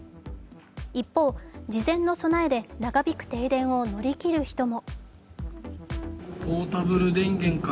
一方、事前の備えで長引く停電を乗り切る人も。